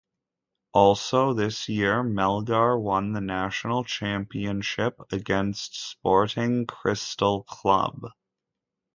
Also, this year, Melgar won the national championship, against Sporting Cristal club.